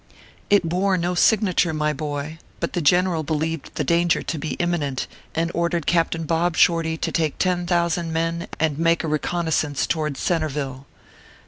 It bore no signature, my boy ; but the general be lieved the danger to be imminent, and ordered Captain Bob Shorty to take ten thousand men, and make a reconnoissance towards Centreville.